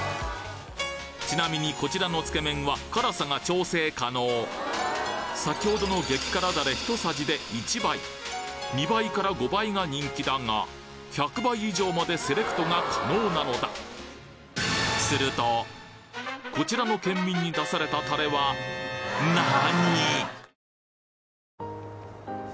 ちなみにこちらのつけ麺は辛さが調整可能先ほどの２倍から５倍が人気だが１００倍以上までセレクトが可能なのだこちらの県民に出されたタレは何！？